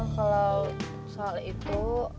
kalau soal itu